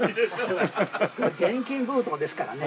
現金封筒ですからね。